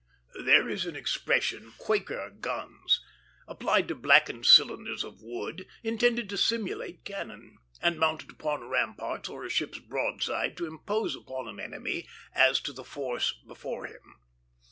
There is an expression, "quaker guns," applied to blackened cylinders of wood, intended to simulate cannon, and mounted upon ramparts or a ship's broadside to impose upon an enemy as to the force before him.